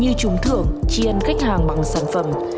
như trúng thưởng chiên khách hàng bằng sản phẩm